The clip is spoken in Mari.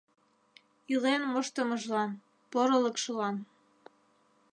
Илен моштымыжлан, порылыкшылан...